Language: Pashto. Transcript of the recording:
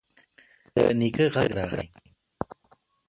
د نيکه غږ راغی: